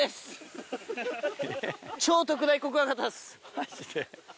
マジで？